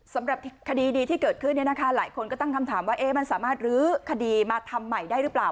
สำหรับคดีดีที่เกิดขึ้นหลายคนก็ตั้งคำถามว่ามันสามารถลื้อคดีมาทำใหม่ได้หรือเปล่า